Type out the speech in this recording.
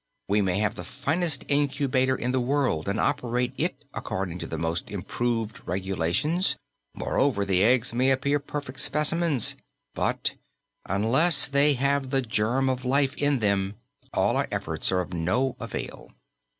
We may have the finest incubator in the world and operate it according to the most improved regulations moreover, the eggs may appear perfect specimens but unless they have the germ of life in them all our efforts are of no avail."